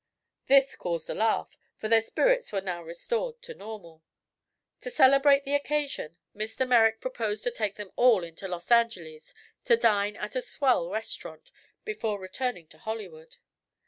This caused a laugh, for their spirits were now restored to normal. To celebrate the occasion, Mr. Merrick proposed to take them all into Los Angeles to dine at a "swell restaurant" before returning to Hollywood.